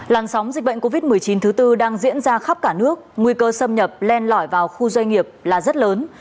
làn sóng dịch bệnh covid một mươi chín thứ tư đang diễn ra khắp cả nước nguy cơ xâm nhập len lỏi vào khu doanh nghiệp là rất lớn